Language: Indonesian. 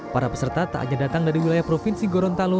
para peserta tak hanya datang dari wilayah provinsi gorontalo